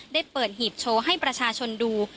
ได้เปิดหีบโชว์ให้ประชาชนดู